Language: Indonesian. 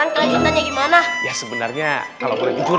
kita penasaran banget tuh